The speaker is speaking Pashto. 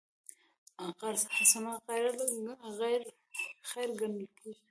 قرض حسنه خیر ګڼل کېږي.